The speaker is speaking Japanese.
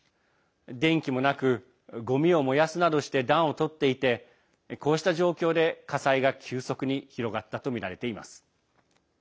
電気もなくごみを燃やすなどして暖をとっていてこうした状況で、火災が急速に広がったとみられています。